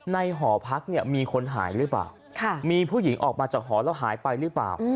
หอพักเนี่ยมีคนหายหรือเปล่ามีผู้หญิงออกมาจากหอแล้วหายไปหรือเปล่า